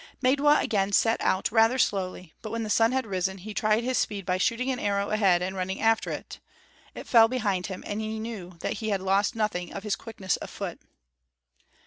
Maidwa again set out rather slowly, but when the sun had risen, he tried his speed by shooting an arrow ahead and running after it; it fell behind him, and he knew that he had lost nothing of his quickness of foot.